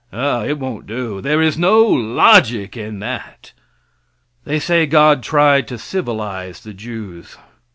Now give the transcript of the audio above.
It won't do. There is no logic in that. They say God tried to civilize the Jews.